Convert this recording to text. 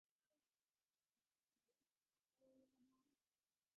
তবে সে জন্য বাংলাদেশ ও মিয়ানমারের মধ্যে আস্থার সম্পর্ক গড়ে তোলা জরুরি।